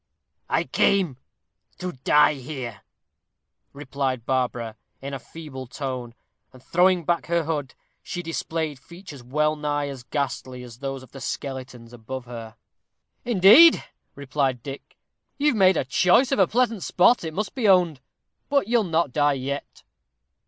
"I came to die here," replied Barbara, in a feeble tone; and, throwing back her hood, she displayed features well nigh as ghastly as those of the skeletons above her. "Indeed," replied Dick. "You've made choice of a pleasant spot, it must be owned. But you'll not die yet?"